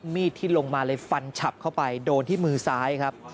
มีดที่ลงมาเลยฟันฉับเข้าไปโดนที่มือซ้ายครับ